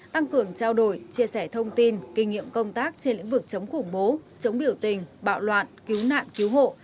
tăng cường trao đổi chia sẻ thông tin kinh nghiệm công tác trên lĩnh vực chống khủng bố chống biểu tình bạo loạn cứu nạn cứu hộ